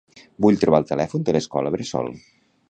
Vull trobar el telèfon de l'escola bressol.